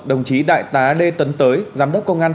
đồng chí đại tá lê tấn tới giám đốc công an